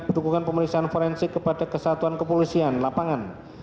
dukungan pemeriksaan forensik kepada kesatuan kepolisian lapangan